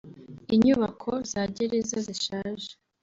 inyubako za gereza zishaje